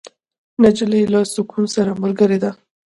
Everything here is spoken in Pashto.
نجلۍ له سکون سره ملګرې ده.